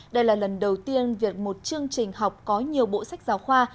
đây là lần đầu tiên việc một chương trình học có nhiều bộ sách giáo khoa